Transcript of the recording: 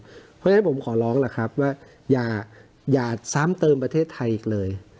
เพราะฉะนั้นผมขอร้องล่ะครับว่าอย่าซ้ำเติมประเทศไทยอีกเลย